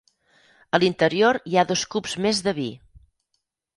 A l'interior hi ha dos cups més de vi.